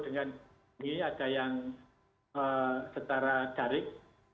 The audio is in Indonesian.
dengan ini ada yang setara jarik